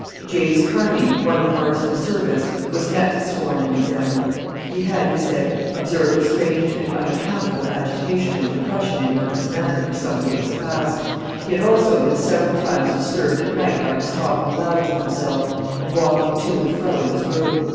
James Carney, one of Marston's servants, was next sworn and examined. He had, he said, observed a strange and unaccountable agitation and depression in Merton's manner for some days past; he had also been several times disturbed at night by his talking aloud to himself, and walking to and fro in his room.